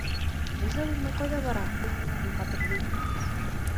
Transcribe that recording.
Риза булмай, ҡайҙа бараһың, һин фатирлы итмәгәс?